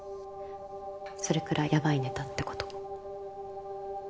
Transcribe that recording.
それくらいヤバいネタってこと。